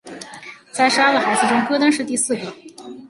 在十二个孩子中戈登是第四个。